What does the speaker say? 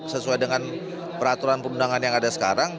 sesuai dengan peraturan perundangan yang ada sekarang